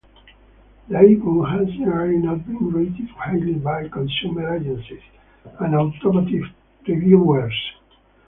The Aveo has generally not been rated highly by consumer agencies and automotive reviewers.